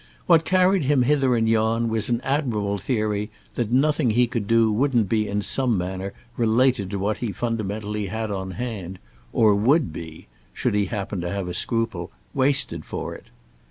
What carried him hither and yon was an admirable theory that nothing he could do wouldn't be in some manner related to what he fundamentally had on hand, or would be—should he happen to have a scruple—wasted for it.